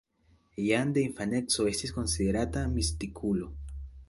Jam de infaneco estis konsiderata mistikulo.